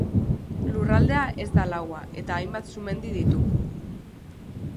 Lurraldea ez da laua eta hainbat sumendi ditu.